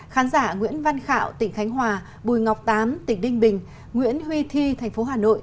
khán giả nguyễn văn khạo tỉnh khánh hòa bùi ngọc tám tỉnh đinh bình nguyễn huy thi tp hcm